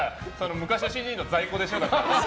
昔のＣＤの在庫でしょ。